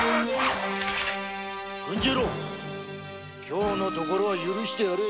今日のところは許してやれ。